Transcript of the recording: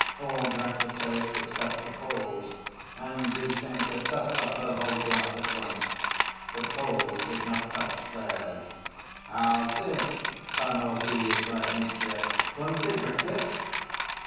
All drank the toast except the Poles, and Grushenka tossed off her whole glass at once. The Poles did not touch theirs. "How's this, panovie?" cried Mitya, "won't you drink it?"